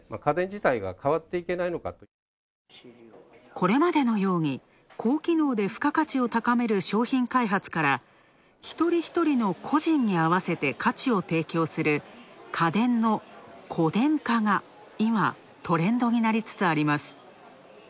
これまでのように、高機能で付加価値を高める商品開発から、一人ひとりの個人に合わせて価値を提供する家電の個電化が今、トレンドになりつつあります。